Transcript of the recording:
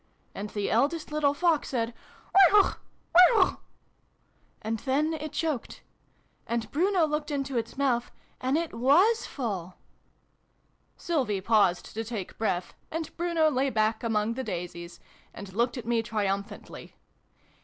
' And the eldest little Fox said ' Whihuauch ! Whihuauch !' and then it choked. And Bruno looked into its mouth, and it was full !" (Sylvie paused to take breath, and Bruno lay back among the daisies, xv] THE LITTLE FOXES. 243 and looked at me triumphantly.